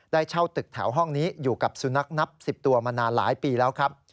ได้เช่าตึกแถวห้องนี้อยู่กับสุนัขนับ๑๐ตัวมานานหลายปีแล้วครับ